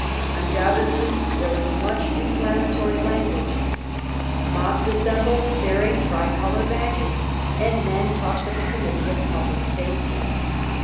Undoubtedly there was much inflammatory language : mobs assembled bearing tricolour badges, and men talked of a Committee of Public Safety.